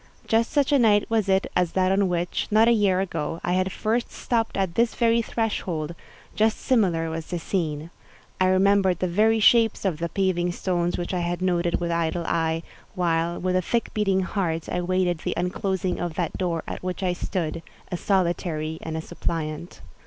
Just such a night was it as that on which, not a year ago, I had first stopped at this very threshold; just similar was the scene. I remembered the very shapes of the paving stones which I had noted with idle eye, while, with a thick beating heart, I waited the unclosing of that door at which I stood—a solitary and a suppliant.